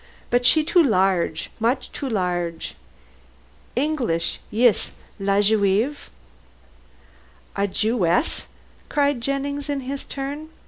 But she too large mooch too large. Englees yis La Juive." "A Jewess?" cried Jennings in his turn.